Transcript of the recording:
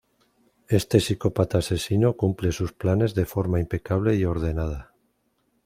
Este psicópata asesino cumple sus planes de forma impecable y ordenada.